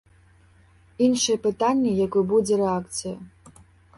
Іншае пытанне, якой будзе рэакцыя.